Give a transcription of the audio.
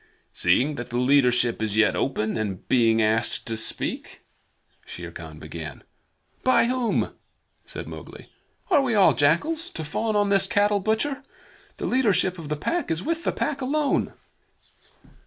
"Seeing that the leadership is yet open, and being asked to speak " Shere Khan began. "By whom?" said Mowgli. "Are we all jackals, to fawn on this cattle butcher? The leadership of the Pack is with the Pack alone."